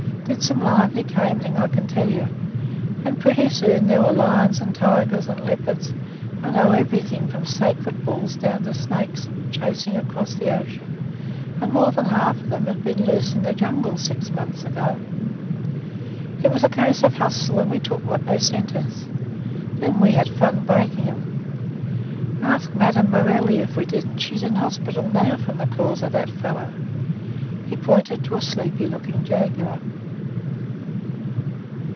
Did some lively cabling, I can tell you; and pretty soon there were lions and tigers and leopards and oh, everything from sacred bulls down to snakes, chasing across the ocean, and more than half of them had been loose in the jungle six months ago. It was a case of hustle, and we took what they sent us. Then we had fun breaking 'em in. Ask Madame Morelli if we didn't. She's in the hospital now from the claws of that fellow." He pointed to a sleepy looking jaguar.